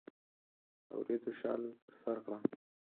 د وریځو شال پر سرکړه